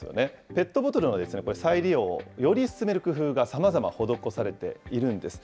ペットボトルの再利用をより進める工夫がさまざま施されているんです。